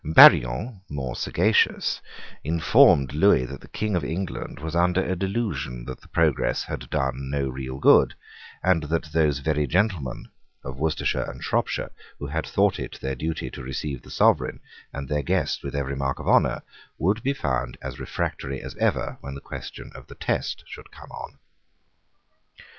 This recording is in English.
Barillon, more sagacious, informed Lewis that the King of England was under a delusion that the progress had done no real good, and that those very gentlemen of Worcestershire and Shropshire who had thought it their duty to receive their Sovereign and their guest with every mark of honour would be found as refractory as ever when the question of the test should come on.